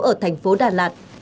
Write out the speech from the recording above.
ở thành phố đà lạt